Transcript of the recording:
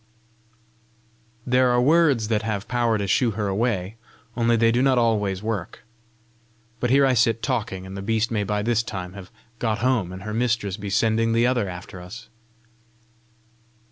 There are words that have power to shoo her away, only they do not always work But here I sit talking, and the beast may by this time have got home, and her mistress be sending the other after us!"